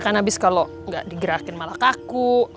kan habis kalau nggak digerakin malah kaku